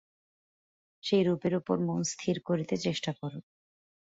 সেই রূপের উপর মন স্থির করিতে চেষ্টা কর।